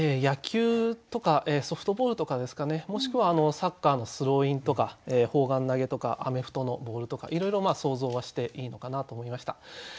野球とかソフトボールとかですかねもしくはサッカーのスローインとか砲丸投げとかアメフトのボールとかいろいろ想像はしていいのかなと思いました。